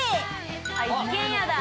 一軒家だ。